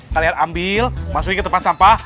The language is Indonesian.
kalian ambil masukin ke tempat sampah